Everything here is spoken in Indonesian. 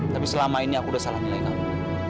tapi selama ini aku udah salah nilai kamu